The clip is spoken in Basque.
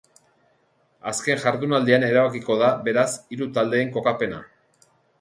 Azken jardunaldian erabakiko da, beraz, hiru taldeen kokapena.